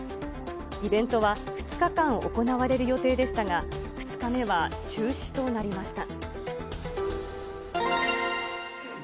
イベントは２日間行われる予定でしたが、２日目は中止となりました。